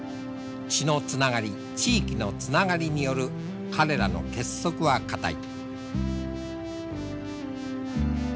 血のつながり地域のつながりによる彼らの結束は固い。